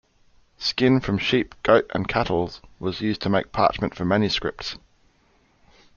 Skin from sheep, goat and cattle was used to make parchment for manuscripts.